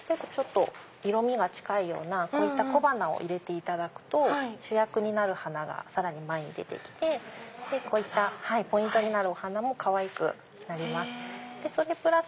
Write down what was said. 色みが近いようなこういった小花を入れていただくと主役になる花がさらに前に出て来てこういったポイントになるお花もかわいくなります。